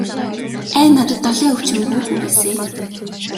Ай надад далайн өвчин бүү хүрээсэй.